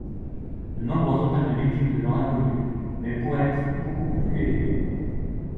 Le nombre total de victimes demeure inconnu mais pourrait être beaucoup plus élevé.